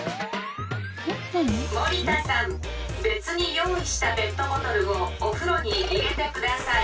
「森田さん別に用意したペットボトルをおふろに入れてクダサイ」。